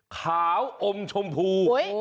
ขาวอมชมพู